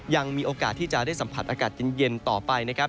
ยังมีโอกาสที่จะได้สัมผัสอากาศเย็นต่อไปนะครับ